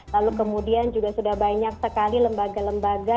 lalu kemudian juga sudah banyak sekali lembaga lembaga